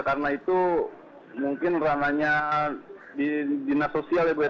karena itu mungkin ranahnya di dinas sosial ya bu ya